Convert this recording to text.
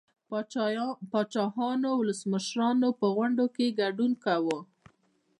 پاچاهانو او ولسمشرانو په غونډو کې ګډون کاوه